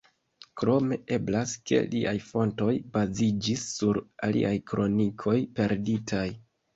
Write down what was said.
Krome, eblas ke liaj fontoj baziĝis sur aliaj kronikoj perditaj.